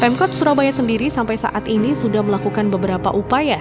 pemkot surabaya sendiri sampai saat ini sudah melakukan beberapa upaya